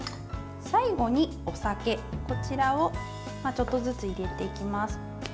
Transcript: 最後に、お酒をちょっとずつ入れていきます。